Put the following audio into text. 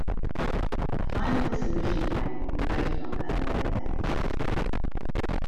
A final dissolution plan will be voted on at a later date.